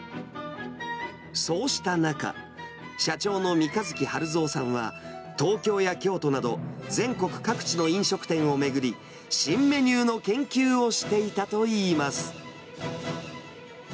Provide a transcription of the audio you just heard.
そうした中、社長の三日月晴三さんは、東京や京都など、全国各地の飲食店を巡り、新メニューの研究をしていたといいます。